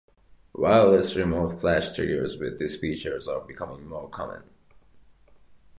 Wireless remote flash triggers with these features are becoming more common.